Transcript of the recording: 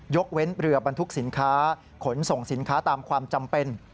เว้นเรือบรรทุกสินค้าขนส่งสินค้าตามความจำเป็น